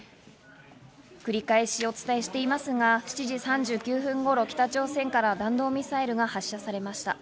繰り返しお伝えしていますが、７時３９分頃、北朝鮮から弾道ミサイルが発射されました。